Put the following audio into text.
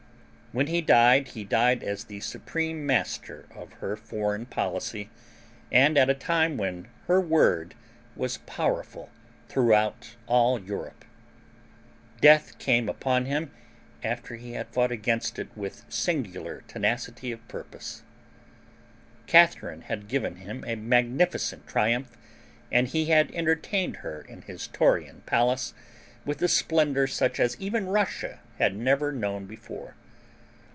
When he died, he died as the supreme master of her foreign policy and at a time when her word was powerful throughout all Europe. Death came upon him after he had fought against it with singular tenacity of purpose. Catharine had given him a magnificent triumph, and he had entertained her in his Taurian Palace with a splendor such as even Russia had never known before.